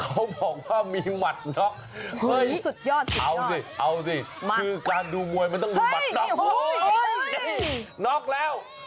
ไม่ต้องมีบัตรนอกอุ๊ยนอกแล้ว